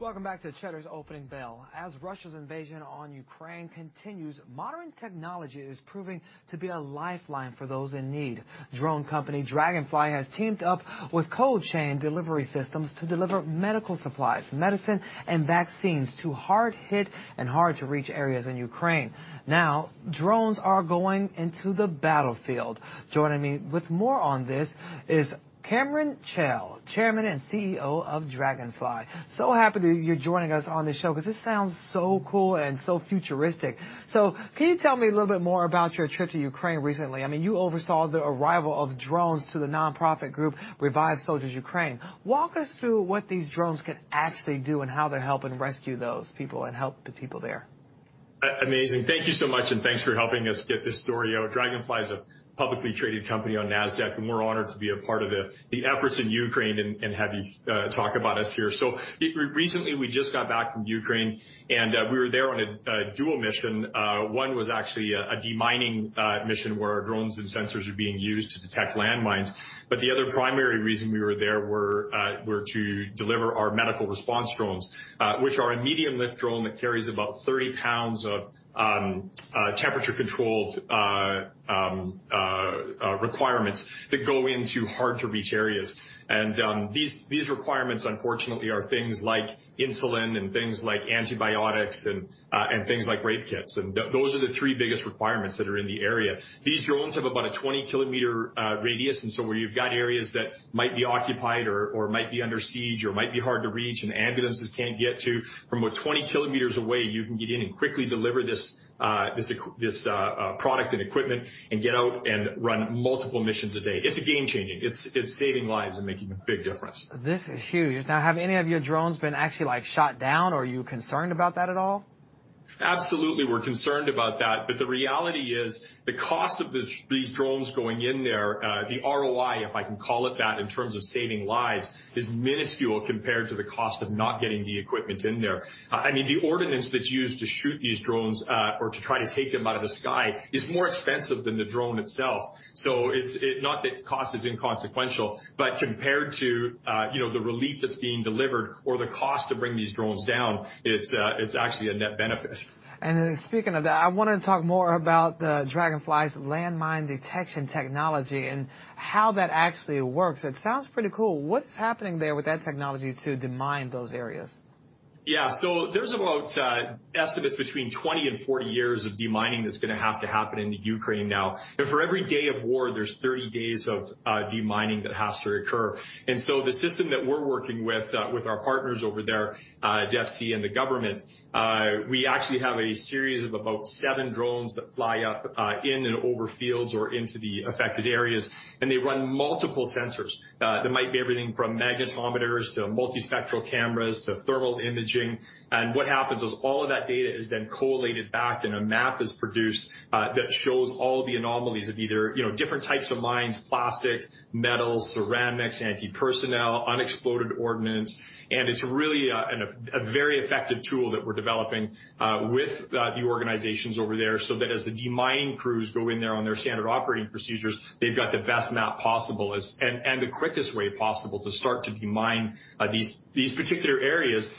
Welcome back to Cheddar's Opening Bell. As Russia's invasion on Ukraine continues, modern technology is proving to be a lifeline for those in need. Drone company Draganfly has teamed up with Coldchain Delivery Systems to deliver medical supplies, medicine, and vaccines to hard-hit and hard-to-reach areas in Ukraine. Now, drones are going into the battlefield. Joining me with more on this is Cameron Chell, Chairman and CEO of Draganfly. So happy that you're joining us on this show, 'cause this sounds so cool and so futuristic. So can you tell me a little bit more about your trip to Ukraine recently? I mean, you oversaw the arrival of drones to the nonprofit group, Revived Soldiers Ukraine. Walk us through what these drones can actually do and how they're helping rescue those people and help the people there. Amazing. Thank you so much, and thanks for helping us get this story out. Draganfly is a publicly traded company on Nasdaq, and we're honored to be a part of the efforts in Ukraine and have you talk about us here. So recently, we just got back from Ukraine, and we were there on a dual mission. One was actually a demining mission, where our drones and sensors are being used to detect landmines. But the other primary reason we were there were to deliver our Medical Response Drones, which are a medium-lift drone that carries about 30 lbs of temperature-controlled requirements that go into hard-to-reach areas. These requirements, unfortunately, are things like insulin and things like antibiotics and things like rape kits, and those are the three biggest requirements that are in the area. These drones have about a 20 km radius, and so where you've got areas that might be occupied or might be under siege or might be hard to reach, and ambulances can't get to, from about 20 km away, you can get in and quickly deliver this product and equipment and get out and run multiple missions a day. It's a game-changing. It's saving lives and making a big difference. This is huge. Now, have any of your drones been actually, like, shot down, or are you concerned about that at all? Absolutely, we're concerned about that, but the reality is, the cost of this, these drones going in there, the ROI, if I can call it that, in terms of saving lives, is minuscule compared to the cost of not getting the equipment in there. I mean, the ordnance that's used to shoot these drones, or to try to take them out of the sky is more expensive than the drone itself. So it's not that cost is inconsequential, but compared to, you know, the relief that's being delivered or the cost to bring these drones down, it's actually a net benefit. Speaking of that, I wanna talk more about Draganfly's landmine detection technology and how that actually works. It sounds pretty cool. What is happening there with that technology to demine those areas? Yeah, so there's about estimates between 20 years and 40 years of demining that's gonna have to happen in the Ukraine now. And for every day of war, there's 30 days of demining that has to occur. And so the system that we're working with, with our partners over there, DEF-C and the government, we actually have a series of about seven drones that fly up, in and over fields or into the affected areas, and they run multiple sensors. That might be everything from magnetometers to multispectral cameras to thermal imaging, and what happens is, all of that data is then collated back, and a map is produced, that shows all the anomalies of either, you know, different types of mines, plastic, metal, ceramics, anti-personnel, unexploded ordnance, and it's really, a very effective tool that we're developing, with the organizations over there so that as the demining crews go in there on their standard operating procedures, they've got the best map possible as, and the quickest way possible to start to demine, these particular areas,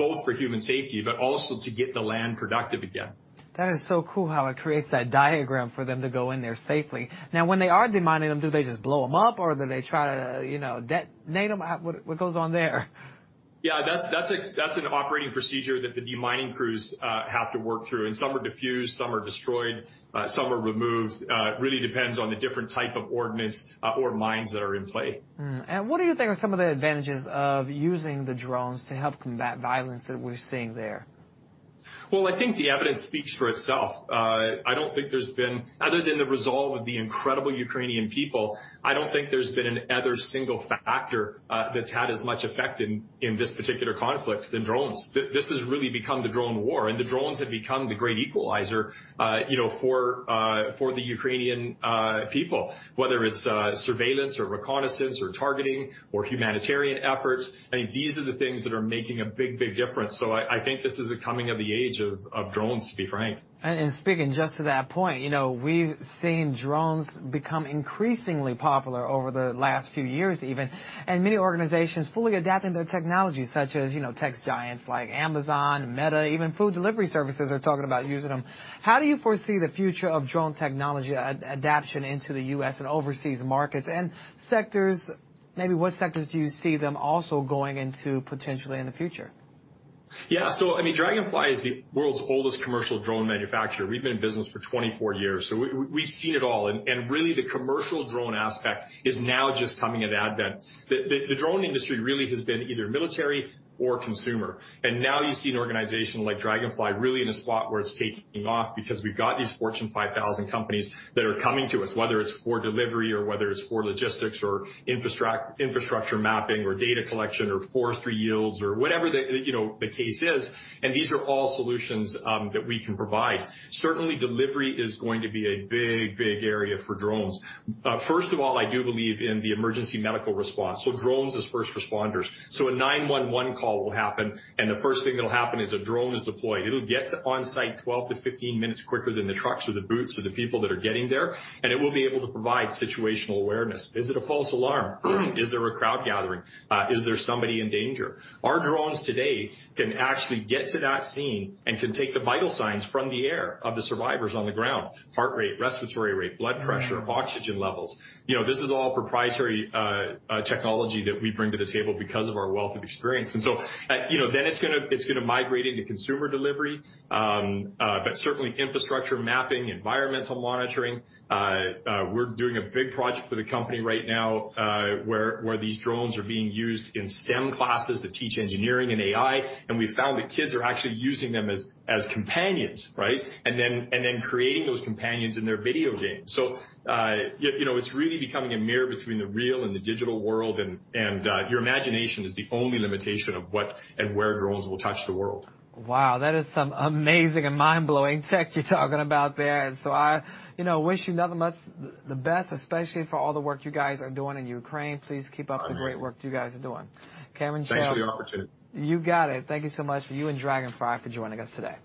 both for human safety, but also to get the land productive again. That is so cool, how it creates that diagram for them to go in there safely. Now, when they are demining them, do they just blow them up, or do they try to, you know, detonate them? What goes on there? Yeah, that's an operating procedure that the demining crews have to work through, and some are defused, some are destroyed, some are removed. It really depends on the different type of ordnance or mines that are in play. What do you think are some of the advantages of using the drones to help combat violence that we're seeing there? Well, I think the evidence speaks for itself. Other than the resolve of the incredible Ukrainian people, I don't think there's been any other single factor that's had as much effect in this particular conflict than drones. This has really become the drone war, and the drones have become the great equalizer, you know, for the Ukrainian people. Whether it's surveillance or reconnaissance or targeting or humanitarian efforts, I mean, these are the things that are making a big, big difference, so I think this is a coming of the age of drones, to be frank. And speaking just to that point, you know, we've seen drones become increasingly popular over the last few years even, and many organizations fully adapting to technology such as, you know, tech giants like Amazon, Meta, even food delivery services are talking about using them. How do you foresee the future of drone technology adoption into the U.S and overseas markets? And sectors, maybe what sectors do you see them also going into potentially in the future? Yeah, so I mean, Draganfly is the world's oldest commercial drone manufacturer. We've been in business for 24 years, so we've seen it all, and really, the commercial drone aspect is now just coming at advent. The drone industry really has been either military or consumer, and now you see an organization like Draganfly really in a spot where it's taking off because we've got these Fortune 5,000 companies that are coming to us, whether it's for delivery or whether it's for logistics or infrastructure mapping or data collection or forestry yields or whatever the, you know, the case is, and these are all solutions that we can provide. Certainly, delivery is going to be a big, big area for drones. First of all, I do believe in the emergency medical response, so drones as first responders. So a 911 call will happen, and the first thing that'll happen is a drone is deployed. It'll get to on-site 12 minutes-15 minutes quicker than the trucks or the boots or the people that are getting there, and it will be able to provide situational awareness. Is it a false alarm? Is there a crowd gathering? Is there somebody in danger? Our drones today can actually get to that scene and can take the vital signs from the air of the survivors on the ground, heart rate, respiratory rate, blood pressure. Oxygen levels. You know, this is all proprietary technology that we bring to the table because of our wealth of experience. And so, you know, then it's gonna, it's gonna migrate into consumer delivery. But certainly infrastructure mapping, environmental monitoring. We're doing a big project for the company right now, where, where these drones are being used in STEM classes to teach engineering and AI, and we've found that kids are actually using them as, as companions, right? And then, and then creating those companions in their video games. So, you know, it's really becoming a mirror between the real and the digital world, and, and, your imagination is the only limitation of what and where drones will touch the world. Wow, that is some amazing and mind-blowing tech you're talking about there. And so I, you know, wish you nothing but the, the best, especially for all the work you guys are doing in Ukraine. Please keep up. Thank you. The great work you guys are doing. Cameron Chell Thanks for the opportunity. You got it. Thank you so much for you and Draganfly for joining us today.